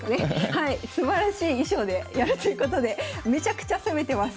はいすばらしい衣装でやるということでめちゃくちゃ攻めてます。